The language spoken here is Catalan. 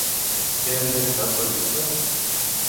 Què havia vetat la Junta?